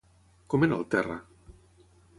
Com era el terra?